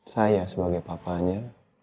saya sebagai papanya